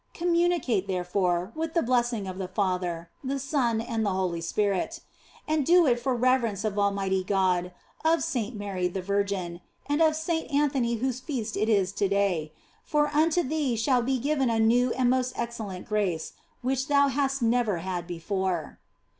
Communicate, therefore, with the bless ing of the Father, the Son, and the Holy Spirit. And do it for reverence of Almighty God, of Saint Mary the Virgin, and of Saint Anthony whose Feast it is to day ; OF FOLIGNO 247 for unto thee shall be given a new and most excellent grace which thou hast never had before."